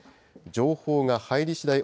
情報が入りしだい